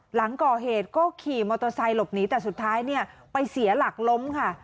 หลังก่อเหตุก็ขี่มอเตอร์ไซค์หลบหนีแต่สุดท้ายเนี่ยไปเสียหลักล้มค่ะ